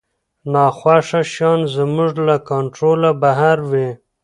ناخوښه شیان زموږ له کنټروله بهر وي.